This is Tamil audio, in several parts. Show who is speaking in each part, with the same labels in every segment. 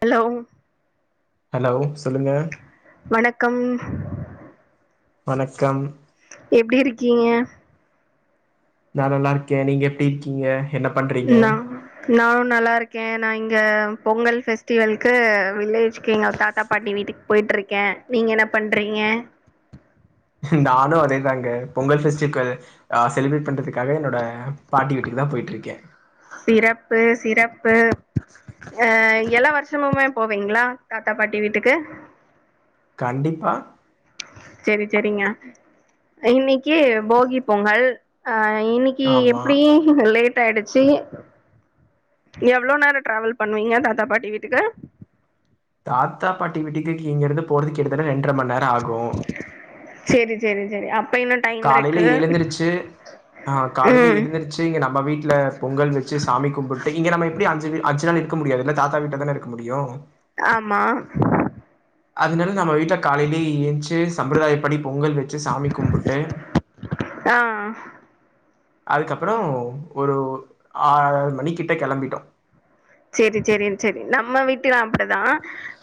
Speaker 1: ஹலோ
Speaker 2: ஹலோ சொல்லுங்க
Speaker 1: வணக்கம்
Speaker 2: வணக்கம்
Speaker 1: எப்டி இருக்கீங்க
Speaker 2: நா நல்லா இருக்கே நீங்க எப்டி இருக்கீங்க என்ன பண்றீங்க
Speaker 1: நா நா நல்லா இருக்கே நா இங்க பொங்கல் ஃபெஸ்டிவல்க்கு வில்லேஜ்க்கு எங்க தாத்தா பாட்டி வீட்டுக்கு போயி ருக்கேன் நீங்க என்ன பண்றீங்க
Speaker 2: நானு அதேதாங்க பொங்கல் ஃபெஸ்டிவல்கு அ செலிப்ரேட் பண்றதுக்காக என்னோட பாட்டி வீட்டுக்கு தா போயிட்ருக்கேன்
Speaker 1: சிறப்பு சிறப்பு அ எல்லா வருஷமுமே போவிங்ளா தாத்தா பாட்டி வீட்டுக்கு
Speaker 2: கண்டிப்பா
Speaker 1: சேரி சேரிங்க இன்னைக்கி போகி பொங்கல் அ இன்னிக்கு
Speaker 2: ஆமா
Speaker 1: எப்டி லேட் ஆயிடுச்சி எவ்ளோ நேரோ ட்ராவல் பண்ணுவீங்க தாத்தா பாட்டி வீட்டுக்கு
Speaker 2: தாத்தா பாட்டி வீட்டுக்கு இங்க இருந்து போறதுக்கு கிட்டதட்ட ரெண்ட்ர மண் நேரொ ஆகு
Speaker 1: செரி செரி செரி அப்ப இன்னு டைம்
Speaker 2: காலையில
Speaker 1: இருக்கு
Speaker 2: எலுந்துருச்சி ஆ காலையில
Speaker 1: ம்
Speaker 2: எழுந்துருச்சு இங்க நம்ப வீட்ல பொங்கல் வெச்சு சாமி கும்பிட்டு இங்க நம்ம எப்டி அஞ்சு வி அஞ்சு நாள் இருக்க முடியாதுல்ல தாத்தா வீட்ல தான இருக்க முடியு
Speaker 1: ஆமா
Speaker 2: அதனால நம்ம வீட்ல காலையிலயே ஏஞ்சு சம்பிரதாயப்படி பொங்கல் வெச்சு சா
Speaker 1: ஆ
Speaker 2: அதுக்கப்பறோ ஒரு ஆறு மணி கிட்ட கெளம்பிட்டோ
Speaker 1: செரி செரி செரி நம்ம வீட்டுலா அப்டிதா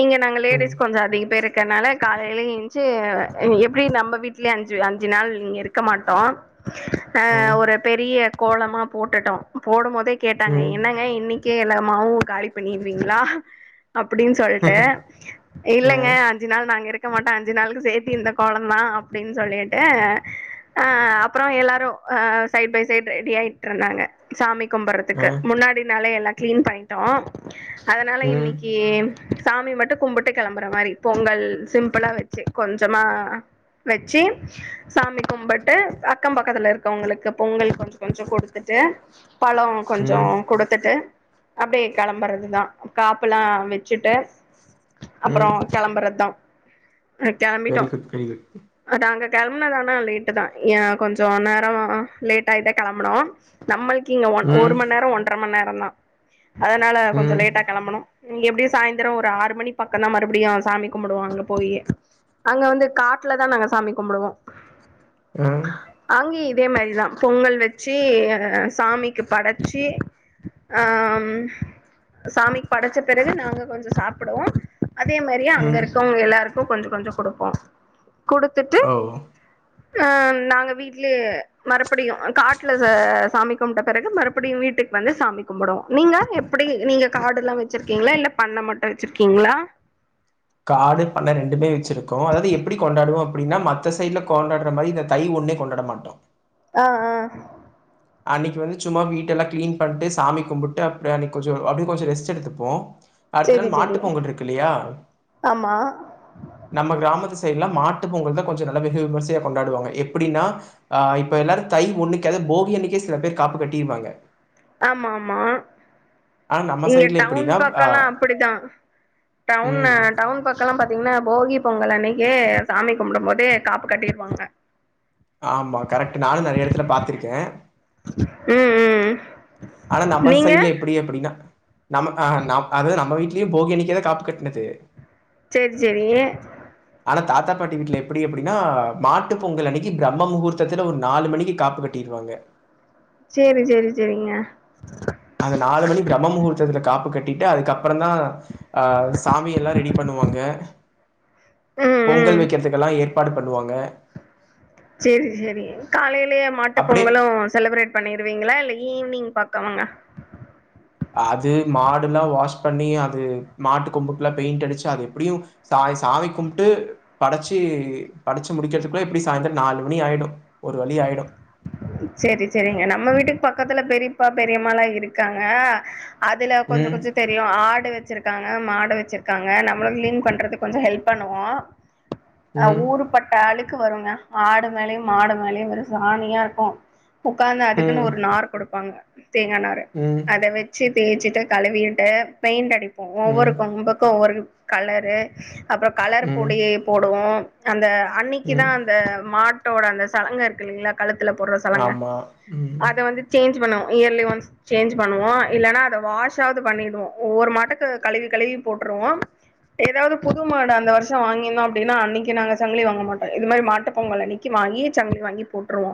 Speaker 1: இங்க நாங்க
Speaker 2: ம்.
Speaker 1: லேடிஸ் கொஞ்சம் அதிக பேர் இருக்கனால காலையில ஏஞ்சு எப்டி நம்ம வீட்லயே அஞ்சு அஞ்சு நாள் இங்க இருக்க மாட்டோ ஆ
Speaker 2: அ.
Speaker 1: ஒரு பெரிய கோலமா போட்டுட்டோ போடும்போது கேட்டாங்க
Speaker 2: ம்.
Speaker 1: என்னங்க இன்னிக்கே எல்லாமாவும் காலி பண்ணிருவீங்ளா அப்டின் சொல்ட்டு
Speaker 2: அ.
Speaker 1: இல்லங்க அஞ்சு நாள் நாங்க இருக் க்க மாட்டோ அஞ்சு நாளுக்கு சேத்தி இந்த கோலநாதான் அப்டின் சொல்லிட்டு அ அப்பறொ எல்லாரு அ சைட் பை சைட் ரெடி ஆயிட்ருந்தாங்க சாமி
Speaker 2: அ.
Speaker 1: கும்பறதுக்கு முன்ன னாடி நாளே எல்லா க்ளீன் பண்ணிட்டோ அதனால
Speaker 2: ம்.
Speaker 1: இன்னிக்கி சாமி மட்டு கும்புட்டு கெளம்பற மாரி பொங்கல் சிம்பிளா வச்சி கொஞ்சமா வச்சி சாமி கும்பட்டு அக்கம் பக்கத்துல இருக்கவங்களுக்கு பொங்கல் கொஞ்சோ கொஞ்சோ கொடுத்துட்டு டு பழொ கொஞ்சோ
Speaker 2: ம்.
Speaker 1: குடுத்துட்டு அப்டே கெளம்பறதுதா காப்பு எல்லா வச்சுட்டு அப்பறொ
Speaker 2: ம்.
Speaker 1: கெளம்பறத்தா கெளம்பிட்டோ
Speaker 2: வெரி குட், வெரி குட்.
Speaker 1: அதா அங்க கெ ம்மதானா லேட்டு தா ஏ கொஞ்சோ நேரோ லேட் ஆய்டே கெளம்பனோ நம்மள்க்கு கிங்க ஒன் ஒரு
Speaker 2: ம்.
Speaker 1: மண் நேரொ ஒன்ற மண் நேரொ தா அதனால கொஞ்ச
Speaker 2: ம்.
Speaker 1: லேட்டா கெளம்பணோ ங் எப்டியு சாயந்தரோ ஒரு ஆறு மணி பக்கந்தா மறுபடியு சாமி கும்படுவோ அங்க போய் அங்க வந்து காட்ல தா நாங்க சாமி கும்பிடுவோ
Speaker 2: அ.
Speaker 1: அங்கே இதே மாரிதா பொங்கல் வெச்சி சாமிக்கு படச்சி ஆம் சாமிக்கு படைச்ச பெறகு நாங்க கொஞ்ச சாப்டுவோ அதே மாரியே அங்க
Speaker 2: ம்.
Speaker 1: இருக்கவுங்க எல்லாருக்கூ கொஞ்சொ கொஞ்சொ குடுப்போ குடுத்துட்டு
Speaker 2: ஓ!
Speaker 1: அ நாங்க வீட்லயே மறுபடியு காட்ல சாமி கும்ட்ட பெறகு மறுபடியு வீட்டு ட்டுக்கு வந்து சாமி கும்புடுவோ நீங்க எப்டி நீங்க காடுல்லா வச்ரிக்கீங்ளா இல்ல பண்ண மட்டு வச்ரிக்கீங்ளா
Speaker 2: காடு பண்ண ரெண்டுமே வச்ர்கோ அதாவ்து எப்டி கொண்டாடுவோ அப்டின்னா மத்த சைட்ல கொண்டாட்ற மாரி இந்த தை ஒண் ஒன்னே கொண்டாட மாட்டோ
Speaker 1: ஆ ஆ
Speaker 2: அன்னக்கி வந்து சும்மா வீட்டெல்லா க்ளீன் பண்ட்டு சாமி கும்புட்டு அப்டி அன்னைக்கு கொஞ்ஜொ அப்டிய கொஞ்ஜொ ரெஸ்ட் எடுத்துப்போ அடுத்த
Speaker 1: செரி
Speaker 2: நாள்
Speaker 1: செரி
Speaker 2: மாட்டு பொங்கல்ருக்கு இல்லையா
Speaker 1: ஆமா
Speaker 2: நம்ம கிராமத்து சை சைடுல மாட்டு பொங்கல் தா கொஞ்ஜொ நல்ல வெகு விமர்சையா கொண்டாடுவாங்க எப்டினா ஆ இப்ப எல்லாரு தை ஒணணுக்கு போகி‌ அன்னைக்கு கே சில பேர் காப்பு கட்டிருவாங்க
Speaker 1: ஆமா ஆமா
Speaker 2: ஆனா நம்ம
Speaker 1: இங்க
Speaker 2: சைடுல
Speaker 1: டவுன்
Speaker 2: எப்படின்னா ஆ
Speaker 1: பக்கல்லா அப்டிதா டவுனு
Speaker 2: ம்
Speaker 1: டவுன் பக்கல்லா பாத்திங்ன்னா போகி பொங்கல் அன்னை க்கு சாமி கும்டும் போது காப்பு கட்டிருவாங்க
Speaker 2: ஆமா கரெக்ட்டு நானு நெறைய எடத்துல பாத்துருக்கே
Speaker 1: ம் ம்
Speaker 2: ஆனா நம்ம
Speaker 1: நீங்க
Speaker 2: சைட்ல எப்பிடி அப்பிடினா நம்ம அ ந அது நம்ம வீட்லியு போகி அன்னிக்குதா காப்பு கட்னது
Speaker 1: சேரி சேரி
Speaker 2: ஆனா தாத்தா பாட்டி வீட்ல எப்பிடி அப்பிடினா மாட்டு பொங்கல் அன்னைக்கி பிரம்ம முகூர்த்தத்துல ஒரு நாலு மணிக்கு காப்பு கட்டி ருவாங்க
Speaker 1: செரி செரி செரிங்க
Speaker 2: பு கட்டிட்டு அதுக்கப்பறந்தா அ சாமி எல்லா ரெடி பண்ணுவாங்க
Speaker 1: ம்
Speaker 2: பொங்கல்
Speaker 1: ம்
Speaker 2: வெக்றதுக்கெல்லா ஏற்பாடு பண்ணுவாங்க
Speaker 1: சேரி சேரி காலையிலேயே மாட்டு
Speaker 2: அப்டியே
Speaker 1: பொங்கலு செலபுரேட் பண்ணி ருவீங்களா இல்ல ஈவ்னிங் பக்கமங்க
Speaker 2: அது மாடுல்லா வாஷ் பண்ணி அது மாட்டு கொம்புக்லா பெயிண்டடிச்சு அது எப்டியு சா ய் சாமி கும்ட்டு படச்சு படச்சு முடிக்றதுக்குள்ள எப்டி சாய்ந்தர் நாலு மணி ஆயிடு ஒரு வழி ஆயிடு
Speaker 1: செரி செரிங்க நம்ம வீட்டுக் பக்கத்தில பெரிப்பா பெரியம்மாலா இருக்காங்க அதுல கொஞ்சோ
Speaker 2: ம்
Speaker 1: கொஞ்சு தெரியு ஆடு வெச்சுருக்கா ங்க மாடு வெச்ருக்காங்க நம்ளு க்ளீன் பண்றதுக் கொஞ்சோ ஹெல்ப் பண்ணுவோ அ
Speaker 2: ம்
Speaker 1: ஊருபட்ட அழுக்கு வருங்க ஆடு மேலயு மாடு மேலயு வெறு சாணியா இருக்கு உக்காந்து அதுக்குன்
Speaker 2: ம்
Speaker 1: ஒரு நாரு குடுப்பாங்க தேங்கா நாறு
Speaker 2: ம்
Speaker 1: அத வெச்சு தேச்சிட்டு கழுவிட்டு பெயிண்டடிப்போ ஒவ்வொரு
Speaker 2: ம்
Speaker 1: கொம்புக்கு ஒவ்வொரு கலரு அப்றோ கலரு
Speaker 2: ம்
Speaker 1: பொடி போடுவோ அந்த அன்னிக்கி தா
Speaker 2: ம்
Speaker 1: அந்த மா ட்டோட அந்த சலங்க இருக்கு இல்லிங்களா கழுத்துல போட்ற சலங்க
Speaker 2: ஆமா ம்
Speaker 1: அத வந்து சேஞ்சு பண்ணுவோ இயர்லி ஒன்ஸ் சேஞ்சு பண்ணுவோ இல்லனா அத வாஷ்ஷாது பண்ணிடுவோ ஒவ்வொரு மாட்டுக்கு கழுவி கழுவி போட்டு ட்றுவோ எதாவது புது மாடு அந்த வர்ஷோ வாங்கிந்தோ அப்டின்னா அன்னைக்கு நாங்க சங்கிலி வாங்க மாட்டோ இது மாரி மாட்டு பொங்கல் அன்னிக்கி வாங்கி சங்கிலி வாங்கி போட்ருவோ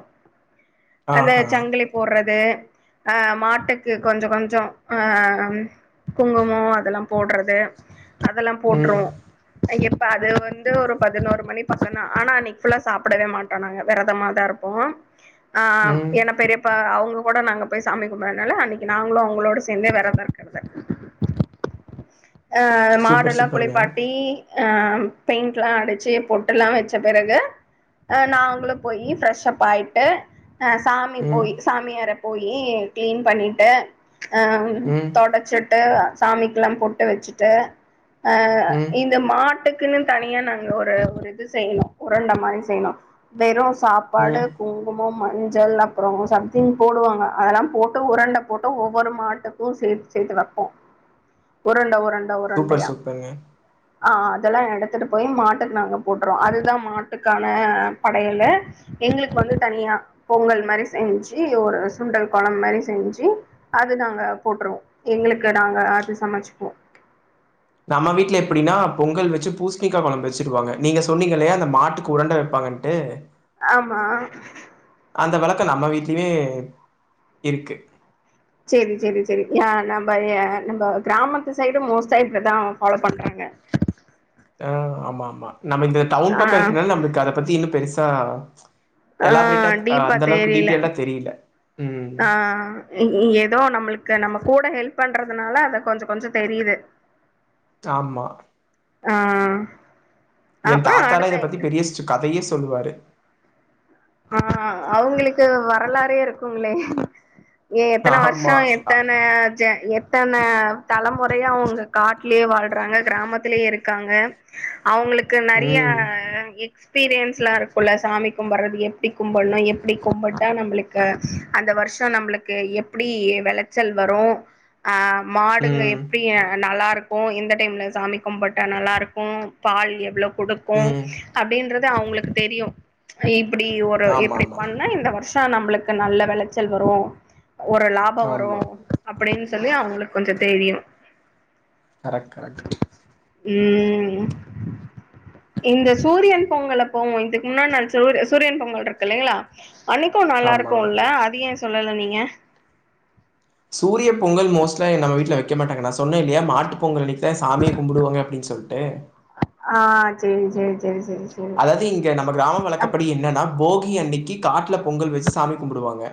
Speaker 1: அந்த
Speaker 2: ஆஹா
Speaker 1: சங்கிலி போட்றது ஆ மாட்டுக்கு கொஞ்சோ கொஞ்சோ ஆ ம் குங்குமோ அதெல்லா போட்றது அதெல்லா
Speaker 2: ம்
Speaker 1: போட்ருவோ இப்ப அது வந்து ஒரு பதினோரு மணி பக்கந்தா ஆனா அன்னிக் ஃபுல்லா சாப்பிடவே மாட்டோ நாங்க வெரதமாதா இருப்போ ஆ
Speaker 2: ம்
Speaker 1: ஏனா பெரியப்பா அவுங்க கூட நாங்க போய் சாமி கும்பர்னால அன்னைக்கு நாங்களு அவுங்களோட சேந்தே வெரதோ இருக்கறது அ
Speaker 2: சூப்பர்
Speaker 1: மாடல்லா
Speaker 2: சூப்பர்ங்க
Speaker 1: குளிப்பாட்டி அ பெயிண்ட்லா அடிச்சு பொட்டல்லா வெச்ச பெறகு அ நாங்ளு போயி ஃப்ரெஷப் ஆய்ட்டு ஆ சாமி
Speaker 2: ம்
Speaker 1: போயி சாமியற போயி க்ளீன் பண்ணிட்டு அ
Speaker 2: ம்
Speaker 1: தொடச்சிட்டு சாமிக்லா பொட்டு வெச்சிட்டு அ
Speaker 2: ம்
Speaker 1: இந்த மாட்டுக் குனு தனியா நாங்க ஒரு ஒரு இது செய்யணு உரண்ட மாரி செய்ணு வெறு சாப்பாடு
Speaker 2: ம்
Speaker 1: கு ங்கம் மஞ்சள் அப்புறோ சம்திங் போடுவாங்க அதெல்லா போட்டு உரண்ட போட்டு ஒவ்வொரு மாட்டுக்கு சே சேத்து வெப்போ உரண்ட உரண்
Speaker 2: சூப்பர் சூப்பர்ங்க
Speaker 1: ஆ அதெல்லா எடுத்துட்டு போயி மாட்டுக் நாங்க போட்டுறோ அதுதா மாட்டுக்கான படையலு எங்களுக் வந்து தனியா பொங்கல் மாரி செஞ்சி ஒரு சுண்டல் கொழம்பு மாரி செஞ்சி அது நாங்க போ அப்றோ எங்குளுக்கு நாங்க அது சமச்சுப்போ
Speaker 2: நம்ம வீட்ல எப்டினா பொங்கல் வெச்சு பூஸ்ணிக்கா கொழம்பு வெச்சுருவாங்க நீங்க சொன்னீங்களயா அந்த மாட்டுக்கு உரண்ட வெப்பா அங்க வந்ட்டு
Speaker 1: ஆமா
Speaker 2: அந்த வழக்க நம்ம வீட்லயுமே இருக்கு
Speaker 1: சேரி சேரி சேரி அ நம்ப எ நம்ப கிராமத்து சைடும் மோஸ்டா இப்டிதா ஃபாலோ பண்றாங்க [unintelligible]
Speaker 2: ஆ ஆமா ஆமா நம்ம இந்த டவுன்
Speaker 1: ஆ
Speaker 2: பக்கோ இருக்குனால நம்ளுக்கு அத பத்தி இன்னு பெருசா
Speaker 1: ஆ
Speaker 2: எலாப்ரீட்டாத் அ
Speaker 1: டீப்பா
Speaker 2: அந்த அளவுக்கு
Speaker 1: தெரில
Speaker 2: டீட்டெயல்டா தெரில
Speaker 1: ஆ எதோ நம்ளுக் க நம்ம கூட ஹெல்ப் பண்றதுனால அத கொஞ்சோ கொஞ்சோ தெரியுது
Speaker 2: ஆமா
Speaker 1: ஆ
Speaker 2: எ
Speaker 1: அப்புறோ
Speaker 2: தாத்தாலா இத
Speaker 1: அடுத்த
Speaker 2: பத்தி பெரிய ஸ்ட் கதையே சொல்லுவாரு
Speaker 1: ஆ அவுங்குளுக்கு வரலாறே இருக்குங்ளே எ எத்தன வர்ஷோ
Speaker 2: ஆமா அ
Speaker 1: எத்தன ச எத் தன தலமுறையா அவுங்க காட்லயே வாழ்றாங்க கிராமத்திலயே இருக்காங்க அவுங்குளுக்கு நறியா
Speaker 2: ம்
Speaker 1: எக்ஸ்பீரியன்ஸ்லா இருக்குல சாமி கும்பற்றது எ எப்டி கும்பட்னு எப்டி கும்புட்டா நம்ளுக்கு அந்த வர்ஷோ நம்ளுக்கு எப்டி வெளச்சல் வ ரும் அ மாடுங்க
Speaker 2: ம்
Speaker 1: எப்டி நல்லாருக் போ எந்த டைம்ல சாமி கும்புட்ட நல்லாருக்கு பால் எவ்ளோ குடுக்கு
Speaker 2: ம்
Speaker 1: அப்டின்றது அவுங்குளுக்கு தெரியு இப்புடி ஒரு
Speaker 2: ஆமா
Speaker 1: இப்டி
Speaker 2: ஆமா
Speaker 1: பண்ணா இந்த வர்ஷ் ச்சா நம்புளுக்கு நல்ல வெளச்சல் வரு ஒரு லாபோ வரு
Speaker 2: ஆமா
Speaker 1: அப்படின் சொல்லி அவுங்குளுக் கொஞ்சோ தெரியு
Speaker 2: கரெக்ட் கரெக்ட்
Speaker 1: ம் இந்த சூரியன் பொங்கலப்போ இதுக் முன்னாட் நாள் சூரு சூரியன் பொங்கல்ருக் குள்ளைங்ளா அன்னிக்கு
Speaker 2: ஆமா
Speaker 1: நல்லாருக்குள்ள அது எ சொல்லல நீங்க
Speaker 2: சூரிய பொங்கல் மோஸ்ட்டா நம்ம வீட்ல வெக்க மாட்டாங்க நா சொன்ன இல்லியா மாட்டுப் பொங்கல் அனிக் த சாமிய கும்புடுவாங்க அப்டின் சொல்ட்டு
Speaker 1: ஆ சேரி சேரி சேரி சேரி
Speaker 2: அதாது இங்க நம்ம கிராமம்
Speaker 1: அப்
Speaker 2: வழக்கப்படி என்னன்னா போகி அன்னிக்கி காட்ல பொங்கல் வெச்சு சாமி கும்புடுவாங்க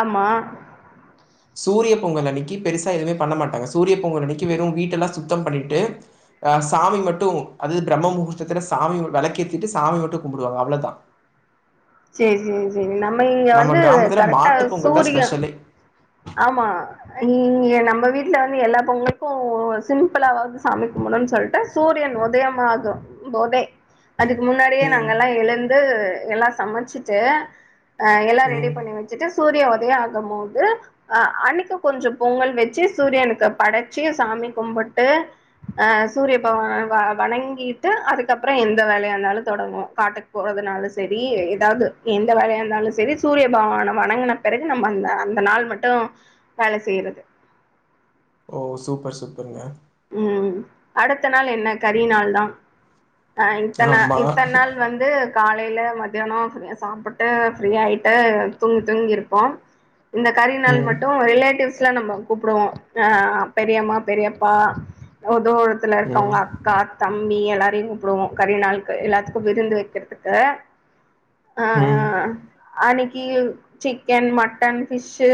Speaker 1: ஆமா
Speaker 2: சூரிய பொங்கல் அன்னிக்கி பெருசா எதுமே பண்ண மாட்டாங்க சூரிய பொங்கல் அன்னிக்கி வெறு வீட்டலா சுத்தம் பண்ணிட்டு ஆ சாமி மட்டு அது பிரம்மமுகூர்த்தத்துல சாமி வெளக்கேத்திட்டு சாமி மட்டு கும்புடுவாங்க அவ்ளோதா
Speaker 1: சேரி சேரி சேரி நம்ம இங்க
Speaker 2: நம்ம
Speaker 1: வந்து
Speaker 2: கிராமத்துல
Speaker 1: கரெக்டா
Speaker 2: மாட்டு பொங்கல் தான்
Speaker 1: சூரிய
Speaker 2: ஸ்பெஷலே.
Speaker 1: ஆமா இங்க நம்ப வீட்ல வந்து எல்லா பொங்களுக்கு சிம்புளாவாவ்து சாமி கும்பட்னுன் சொல்ட்டு சூரியன் உதயமாகு போதே அதுக்கு முன்னாடியே
Speaker 2: ம்,
Speaker 1: நாங்கல்லா எழுந்து எல்லா சமச்சுட்டு அ எல்லா ரெடி
Speaker 2: ம்.
Speaker 1: பண்ணி வெச்சுட்டு சூரிய ஒதயோ ஆகமோது அ அன்னிக்கு கொஞ்சோ பொங்கல் வெச்சு சூரியனுக்கு படச்சு சாமி கும்புட்டு அ சூரிய பவான வ வணங்கீட்டு அதுக்கப்றோ எந்த வேலயாருந்தாலு தொடங்குவோ காட்டுக் போறதுனாலு சே சேரி எதாது எந்த வேலயாருந்தாலு சேரி சூரிய பகவான வணங்குன பிறகு நம்ப அந்த அந்த நாள் மட் டு வேல செய்றது
Speaker 2: ஓ சூப்பர் சூப்பருங்க
Speaker 1: ம் அடுத்த நாள் என்ன கறி நாள் தா அ இத்தன
Speaker 2: ஆமா.
Speaker 1: இத்தன் நாள் வந்து கால் லைல மத்யானோ ஃப்ரீயா சாப்புட்டு ஃப்ரீயாய்ட்டு தூங்கி தூங்கிருப்போ இந்த கறி நாள்
Speaker 2: ம்,
Speaker 1: மட்டு ரிலேட்டிவ்ஸ்லா நம்மோ கூப்டுவோ அ பெரியம்மா பெரியப் பா ஒ தூரத்துல இருக்கவ்ங்க
Speaker 2: ம்,
Speaker 1: அக்கா தம்பி எல்லாரையு கூப்டுவோ கறி நாளுக்கு எல்லாத்துக்கு விருந்து வைக்கிறதுக்கு ஆ
Speaker 2: ம்,
Speaker 1: ஆ அன்னிக்கி சிக்கன் மட்டன் ஃபிஷ்ஷு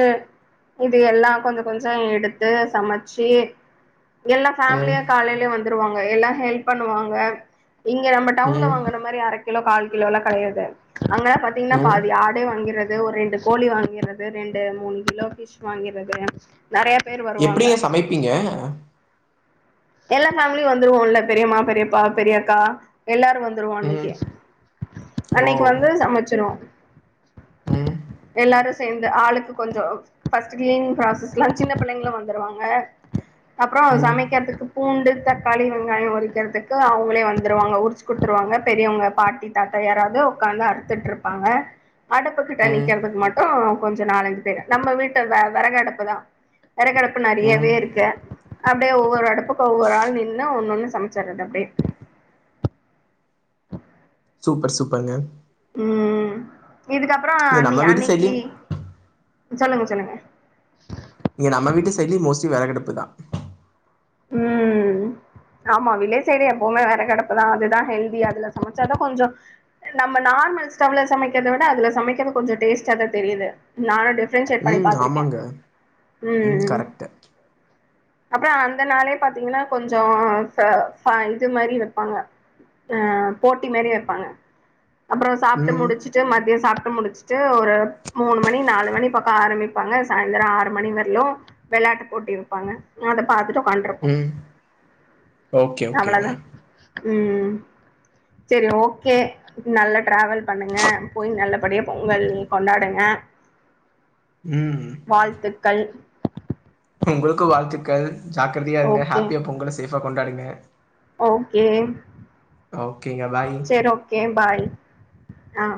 Speaker 1: இது எல்லா கொஞ்ச கொஞ்சோ எடுத்து சமச்சி எல்லா
Speaker 2: ம்,
Speaker 1: ஃபமிலியா காலைலே வந்துருவாங்க எல்லா ஹெல்ப் பண்ணுவாங்க இங்க நம்ம டவுன்ல
Speaker 2: ம்,
Speaker 1: வாங்கனமாரி அரக்கிலோ கால் கிலோலா கடையாது அங்க பாத்தீங்னா
Speaker 2: ம்.
Speaker 1: பாதி ஆ டே வாங்கிறது ஒரு ரெண்டு கோழி வாங்கிறது ரெண்டு மூணு கிலோ ஃபிஷ் வாங்கிறது நறையா பேர் வருவாங்க
Speaker 2: எப்படிங்க சமைப்பீங்க?
Speaker 1: எல்லா ஃபேமிலியு வந்துருவோல்ல பெரியம்மா பெரியப்பா பெரிய அக்கா எல்லாரு வந்துருவோ
Speaker 2: ம்.
Speaker 1: அன்னைக்கி
Speaker 2: ஓ!
Speaker 1: அன்னைக்கி வந்து சமச்சிருவோ
Speaker 2: ம்
Speaker 1: எல்லாரு சேந்து ஆளுக்கு கொஞ்சோ அ ஃபர்ஸ்ட் க்ளீனிங் ப்ராசஸ்ல்லா சின்ன பிள்ளைங்களு வந்துருவாங்க அப்றோ
Speaker 2: ம்.
Speaker 1: சமைக்கிறதுக்கு பூண்டு தக்காளி வெங்காயோ உரிக்கிறதுக்கு அவுங்களே வந்துருவாங்க உரிச்சு குட்த்துருவாங்க பெரியவங்க பாட்டி தாத்தா யாராவது உக்காந்து அற்த்துட்டு இருப்பாங்க அடுப்பு கிட்ட
Speaker 2: ம்
Speaker 1: நிக்கற்துக்கு மட்டு கொஞ்சோ நாலஞ்சு பேரு நம்ம வீட்ட வ வெறகு அடுப்பு தா வெறகடுப்பு
Speaker 2: ம்
Speaker 1: நறையவே இருக்கு அப்டியே ஒவ்வொரு அடுப்பு க்கு ஒவ்வொரு ஆள் நின்னு ஒன்னொண்ணு சமைச்சிர்றது அப்டியே
Speaker 2: சூப்பர் சூப்பர்ங்க
Speaker 1: ம் ம் இதுக்கப்றோ
Speaker 2: இங்க
Speaker 1: அன்னி
Speaker 2: நம்ம வீட்டு
Speaker 1: அன்னிக்கி
Speaker 2: சைட்லயும்
Speaker 1: சொல்லுங்க சொல்லுங்க
Speaker 2: இங்க நம்ம வீட்டு சைட்லயு மோஸ்ட்லி வெறகடுப்பு தா
Speaker 1: ம் ஆமா வில்லேஜ் சைடு எப்பவுமே வெறகு அடுப்புதா அதுதா ஹெல்தி அதுல சமைச்சாதா கொஞ்சோ நம்ம நார்மல் ஸ்டவ்ல சமைக்கற்த விட அதுல சமைக்கிறது கொஞ்சோ டேஸ்டா தா தெரியுது நாலா டேஸ் ட்டே ஜெக் பண்ணி
Speaker 2: ம்
Speaker 1: பாத்திருகே
Speaker 2: ஆமாங்க
Speaker 1: ம் அப்றோ அந் அந்தனாலே பாத்தீங்னா கொஞ்சோ ச ப இது மரி வெப்பாங்க அ போட்டி மாரி வெப்பாங்க அப்றோ சாப்ட்டு
Speaker 2: ம்
Speaker 1: முடிச்சுட்டு மத்யோ சாப் புட்டு முடிச்சிட்டு ஒரு மூணு மணி நாலு மணி பக்கோ ஆரம்பிப்பாங்க சாயந்திரோ ஆறு மணி வர்லு வெள் ளாட்டு போட்டி வெப்பாங்க நா அத பாத்துட்டோ உக்காண்ட்ருப்போ
Speaker 2: ம் ஓகே ஓகேங்க
Speaker 1: அவ்ளதா ம் செரி ஓகே நல்ல டிராவல் பண்ணுங்க போய் நல்லபடியா பொங்கல் கொண்டாடுங்க
Speaker 2: ம்
Speaker 1: வாழ்த்துக்கள்
Speaker 2: உங்களுக்கு வாழ்த்துக்கள் ஜாக்ரதையா இருங்க
Speaker 1: ஓகே
Speaker 2: ஹப்பியா பொங்கல சேஃபா கொண்டாடுங்க
Speaker 1: ஓகே
Speaker 2: ஓகேங்க பாய்
Speaker 1: செரி ஓகே பாய் ஆ